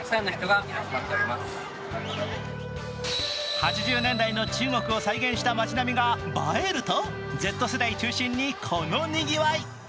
８０年代の中国を再現した町並みが映えると、Ｚ世代中心にこのにぎわい。